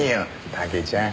タケちゃん。